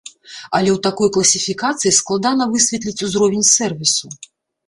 Але ў такой класіфікацыі складана высветліць узровень сервісу.